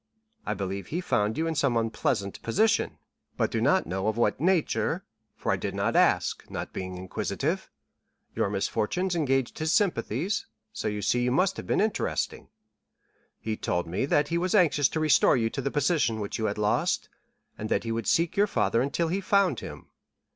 I believe he found you in some unpleasant position, but do not know of what nature, for I did not ask, not being inquisitive. Your misfortunes engaged his sympathies, so you see you must have been interesting. He told me that he was anxious to restore you to the position which you had lost, and that he would seek your father until he found him.